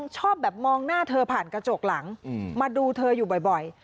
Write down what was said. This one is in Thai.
ชอบแบบมองหน้าเธอผ่านกระจกหลังมาดูเธออยู่บ่อย